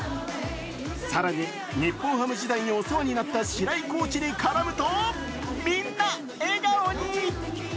更に日本ハム時代にお世話になった白井コーチに絡むとみんな、笑顔に。